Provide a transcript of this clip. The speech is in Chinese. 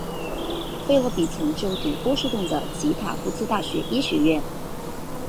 费洛比曾就读波士顿的及塔夫茨大学医学院。